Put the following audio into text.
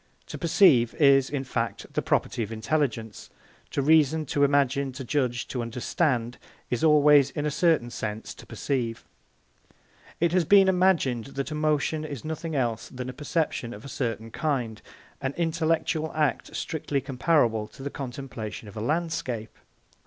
To perceive is, in fact, the property of intelligence; to reason, to imagine, to judge, to understand, is always, in a certain sense, to perceive. It has been imagined that emotion is nothing else than a perception of a certain kind, an intellectual act strictly comparable to the contemplation of a landscape.